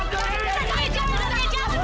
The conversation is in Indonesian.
kamu diri apa pak